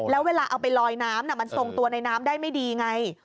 แล้วเวลาเอาไปลอยน้ำมันทรงตัวในน้ำได้ไม่ดีไง